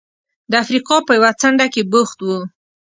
د افریقا په یوه څنډه کې بوخت و.